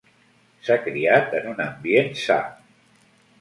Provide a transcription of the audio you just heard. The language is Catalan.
S'ha criat en un ambient sa.